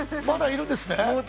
まだいるんですね？